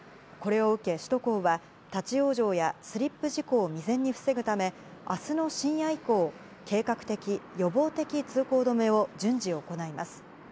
これを受け、首都高は、立往生やスリップ事故を未然に防ぐため、あすの深夜以降、計画的・予防的通行止めを順次、行います。